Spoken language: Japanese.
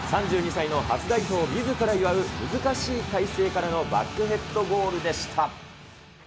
３２歳の初代表をみずから祝う難しい体勢からのバックヘッドゴールでした。